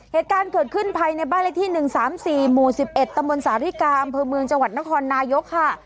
เหตุการณ์เกิดขึ้นภายในบ้านเลขที่๑๓๔หมู่๑๑ตำบลสาริกาอำเภอเมืองจังหวัดนครนายกค่ะ